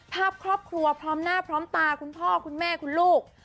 ภาพครอบครัวพร้อมหน้าพร้อมตาคุณพ่อคุณแม่คุณลูก